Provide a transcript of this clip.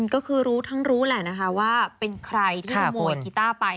ก็คือรู้ทั้งรู้แหละนะคะว่าเป็นใครที่ขโมยกีต้าไป